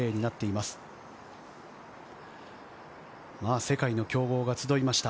まぁ世界の強豪が集いました。